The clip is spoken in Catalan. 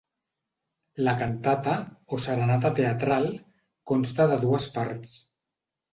La cantata, o serenata teatral, consta de dues parts.